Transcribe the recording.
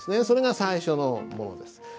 それが最初のものです。